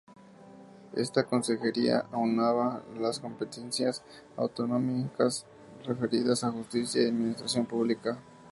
Esta consejería aunaba las competencias autonómicas referidas a justicia y administración pública.